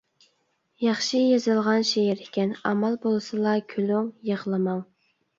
ياخشى يېزىلغان شېئىر ئىكەن. ئامال بولسىلا كۈلۈڭ، يىغلىماڭ!